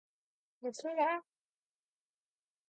얘들아!